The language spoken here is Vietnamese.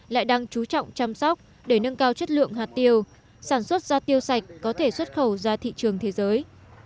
lại đang chú trọng chăm sóc để nâng cao chất lượng hạt tiêu sản xuất ra tiêu sạch có thể xuất khẩu ra thị trường thế giới